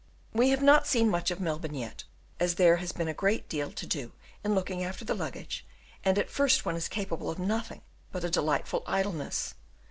We have not seen much of Melbourne yet, as there has been a great deal to do in looking after the luggage, and at first one is capable of nothing but a delightful idleness.